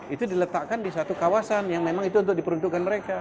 itu diletakkan di satu kawasan yang memang itu untuk diperuntukkan mereka